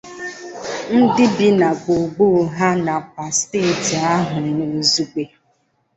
ndị bi na gburugburu ha nakwa steeti ahụ n'izugbe.